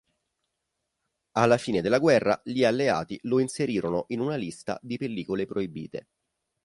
Alla fine della guerra, gli alleati lo inserirono in una lista di pellicole proibite.